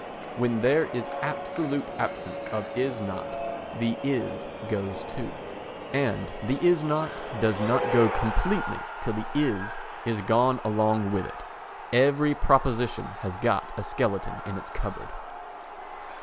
When there is absolute absence of "Is not" the "Is" goes too. And the "Is not" does not go completely till the "Is" is gone along with it. Every proposition has got a skeleton in its cupboard.